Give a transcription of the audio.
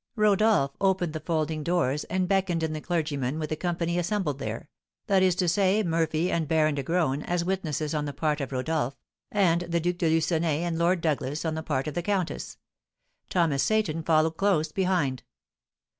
Rodolph opened the folding doors, and beckoned in the clergyman with the company assembled there, that is to say, Murphy and Baron de Graün as witnesses on the part of Rodolph, and the Duc de Lucenay and Lord Douglas on the part of the countess; Thomas Seyton followed close behind.